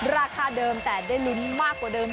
ราคาเดิมแต่ได้ลิ้มมากกว่าเดิม